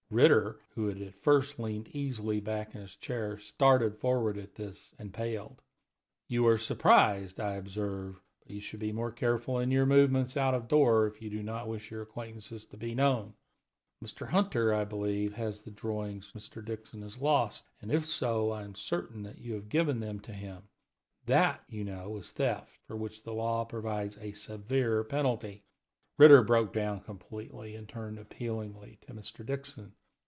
Ritter, who had at first leaned easily back in his chair, started forward at this, and paled. "You are surprised, I observe; but you should be more careful in your movements out of doors if you do not wish your acquaintances to be known. Mr. Hunter, I believe, has the drawings which Mr. Dixon has lost, and, if so, I am certain that you have given them to him. That, you know, is theft, for which the law provides a severe penalty." Ritter broke down completely and turned appealingly to Mr. Dixon.